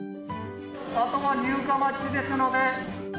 あとは入荷待ちですので。